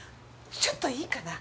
ちょっといいかな？